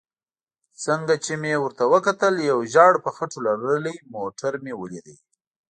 څنګه چې مې ورته وکتل یو ژېړ په خټو لړلی موټر مې ولید.